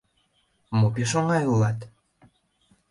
Мо пеш оҥай улат?